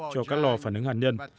cho các lò phản ứng hạt nhân